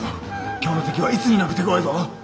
今日の敵はいつになく手ごわいぞ。